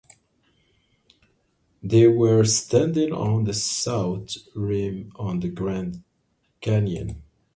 They were standing on the South Rim of the Grand Canyon.